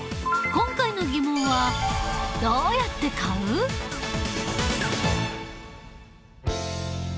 今回のテーマは「どうやって買うか」。